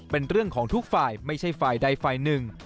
เป็นเรื่องของทุกฝ่ายไม่ใช่ฝ่ายใดฝ่ายหนึ่ง